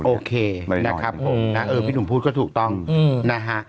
โอเคนะครับผมนะเออพี่หนุ่มพูดก็ถูกต้องนะฮะ